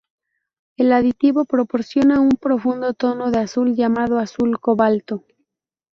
El aditivo proporciona un profundo tono de azul llamado azul cobalto.